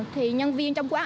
thì nhân viên trong quán